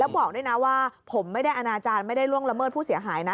บอกด้วยนะว่าผมไม่ได้อนาจารย์ไม่ได้ล่วงละเมิดผู้เสียหายนะ